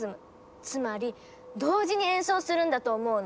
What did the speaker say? つまり同時に演奏するんだと思うの。